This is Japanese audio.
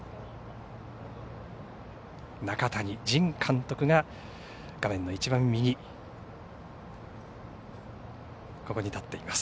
中谷仁監督が画面のいちばん右に立っています。